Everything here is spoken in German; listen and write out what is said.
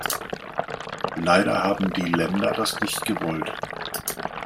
Leider haben die Länder das nicht gewollt.